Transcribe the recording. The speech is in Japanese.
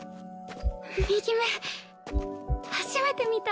右目初めて見た。